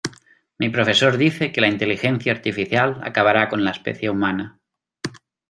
Mi profesor dice que la inteligencia artificial acabará con la especie humana.